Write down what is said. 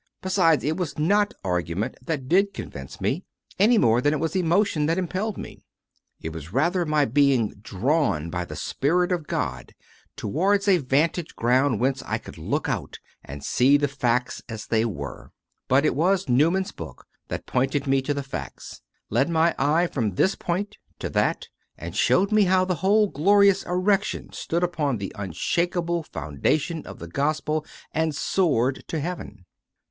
Besides, it was not argument that did convince me, any more than it was emotion that impelled me. It was rather my being drawn by the Spirit of God towards a vantage ground whence I could look out and see the facts as they were; but it was Newman s book that pointed me to the facts, led my eye from this point to that, and showed me how the whole glorious erection stood upon the unshakeable foundation of the Gospel and soared to heaven.